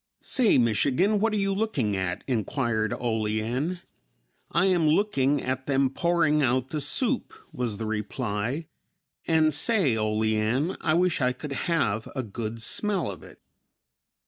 "Say, Michigan, what are you looking at?" inquired Olean. "I am looking at them pouring out the soup," was the reply, "and say, Olean, I wish I could have a good smell of it."